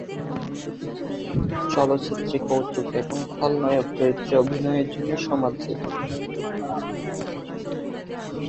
চলচ্চিত্রে কৌতুক এবং খলনায়ক চরিত্রে অভিনয়ের জন্য সমাদৃত।